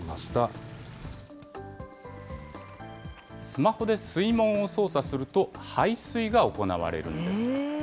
スマホで水門を操作すると、排水が行われるんです。